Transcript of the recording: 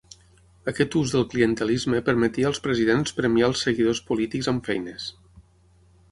Aquest ús del clientelisme permetia als presidents premiar els seguidors polítics amb feines.